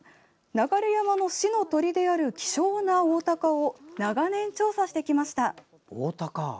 流山の市の鳥である希少なオオタカを長年、調査してきました。